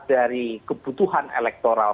dari kebutuhan elektoral